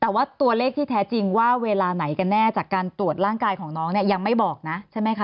แต่ว่าตัวเลขที่แท้จริงว่าเวลาไหนกันแน่จากการตรวจร่างกายของน้องเนี่ยยังไม่บอกนะใช่ไหมคะ